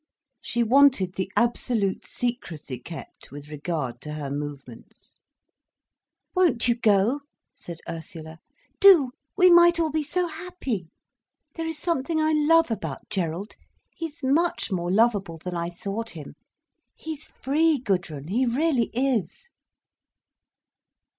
She wanted the absolute secrecy kept, with regard to her movements. "Won't you go?" said Ursula. "Do, we might all be so happy! There is something I love about Gerald—he's much more lovable than I thought him. He's free, Gudrun, he really is."